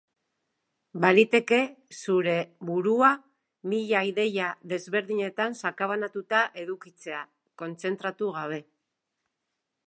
Baliteke zure burua mila ideia desberdinetan sakabanatuta edukitzea, kontzentratu gabe.